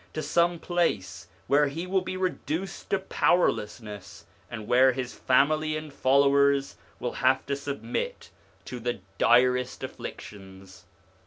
ON THE INFLUENCE OF THE PROPHETS 37 some place where he will be reduced to powerlessness, and where his family and followers wiU have to submit to the direst afflictions.'